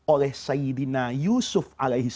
oleh saidina yusuf